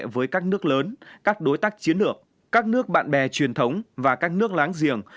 với các nước lớn các đối tác chiến lược các nước bạn bè truyền thống và các nước láng giềng